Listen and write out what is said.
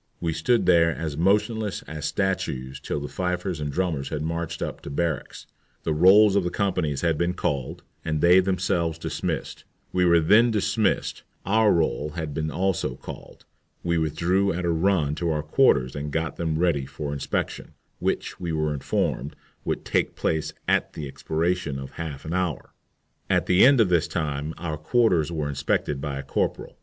We stood there as motionless as statues till the fifers and drummers had marched up to barracks, the rolls of the companies had been called, and they themselves dismissed. We were then dismissed, our roll having been also called. We withdrew at a run to our quarters and got them ready for inspection, which, we were informed, would take place at the expiration of half an hour. At the end of this time our quarters were inspected by a corporal.